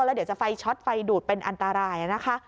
แล้วเดี๋ยวจะไฟช็อตไฟดูดเป็นอันตรายนะคะ